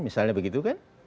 misalnya begitu kan